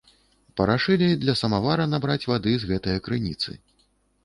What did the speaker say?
Парашылі для самавара набраць вады з гэтае крыніцы.